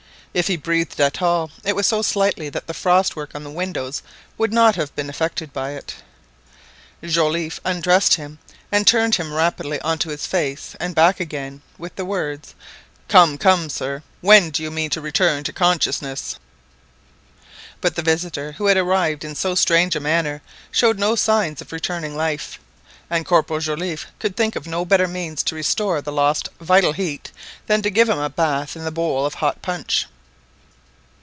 If he breathed at all, it was so slightly that the frost work on the windows would not have been affected by it. Joliffe undressed him, and turned him rapidly on to his face and back again, with the words— "Come, come, sir, when do you mean to return to consciousness?" But the visitor who had arrived in so strange a manner showed no signs of returning life, and Corporal Joliffe could think of no better means to restore the lost vital heat than to give him a bath in the bowl of hot punch.